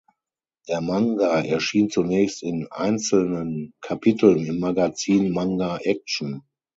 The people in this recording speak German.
Der Manga erschien zunächst in einzelnen Kapiteln im Magazin "Manga Action".